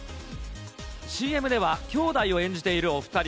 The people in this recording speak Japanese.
ＣＭではきょうだいを演じているお２人。